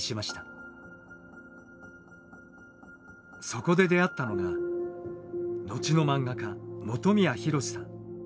そこで出会ったのが後の漫画家本宮ひろ志さん。